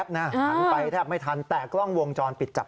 หันไปแทบไม่ทันแต่กล้องวงจรปิดจับ